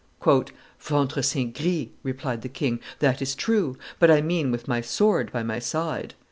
"Ventre saint gris," replied the king, "that is true; but I mean with my sword by my side."